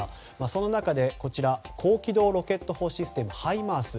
その中で高機動ロケット砲システムハイマース